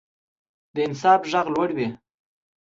د انصاف غږ لوړ وي